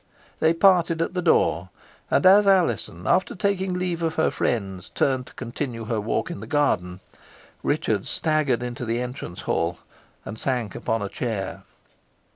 They parted at the door, and as Alizon, after taking leave of her friends, turned to continue her walk in the garden, Richard staggered into the entrance hall, and sank upon a chair.